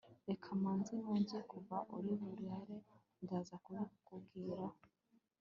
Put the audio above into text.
reka manze noge kuva uri burare ndaza kubikubwiraho